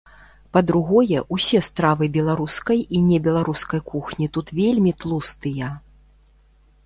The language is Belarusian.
Па-другое, усе стравы беларускай і небеларускай кухні тут вельмі тлустыя.